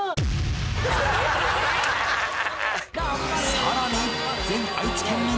さらに！